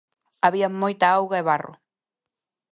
Había moita auga e barro.